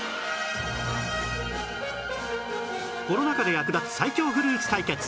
コロナ禍で役立つ最強フルーツ対決